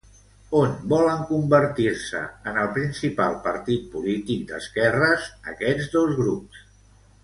On volen convertir-se en el principal partit polític d'esquerres aquests dos grups?